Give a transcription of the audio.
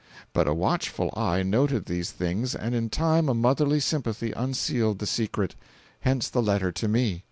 But a watchful eye noted these things and in time a motherly sympathy unsealed the secret. Hence the letter to me.